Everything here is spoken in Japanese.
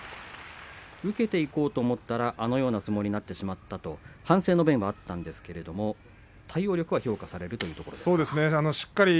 受けていこうと思ったらあのような相撲になってしまったと反省の弁があったんですが対応力は評価されるということですか？